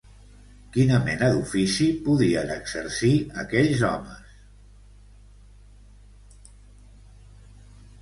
Quina mena d'ofici podien exercir aquells homes